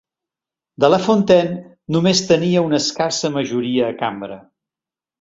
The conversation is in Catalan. De la Fontaine només tenia una escassa majoria a Cambra.